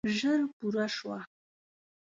ژر پوره شوه.